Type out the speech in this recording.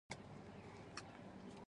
احمده! مرګ لرې؛ غاړه مه بندوه.